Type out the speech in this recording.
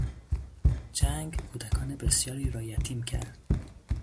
جنگ کودکان بسیاری را یتیم کرد.